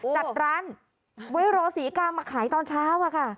จัดร้านเวลาศรีการมาขายตอนเช้าค่ะ